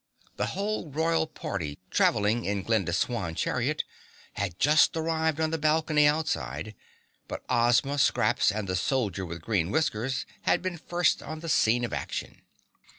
The whole royal party, traveling in Glinda's swan chariot, had just arrived on the balcony outside, but Ozma, Scraps and the Soldier with Green Whiskers had been first on the scene of action.